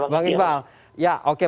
bang iqbal ya oke